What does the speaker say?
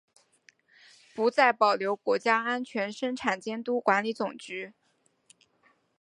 不再保留国家安全生产监督管理总局。